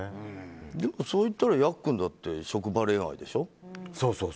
でも、そういったらヤックンだって職場恋愛でしょ。